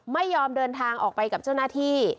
ไม่ยอมเดินทางออกไปกับเจ้าหน้าที่